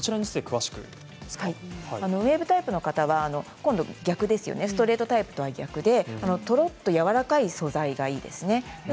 ウエーブタイプの方はストレートタイプとは逆でとろっと柔らかい素材がいいですね。